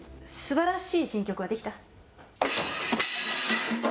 すばらしい新曲はできた？